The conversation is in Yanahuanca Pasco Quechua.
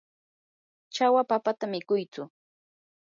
chawa papata mikuytsu.